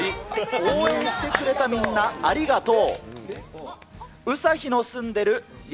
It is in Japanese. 応援してくれたみんな、ありがとう。